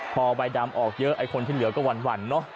พอใบดำออกเยอะไอ้คนที่เหลือก็หวั่นเนอะ